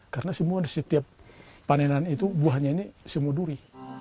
karena semua di setiap panenan itu buahnya ini semua duri